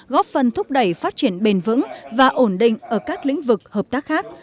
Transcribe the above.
góp phần thúc đẩy phát triển bền vững và ổn định ở các lĩnh vực hợp tác khác